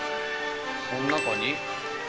その中に。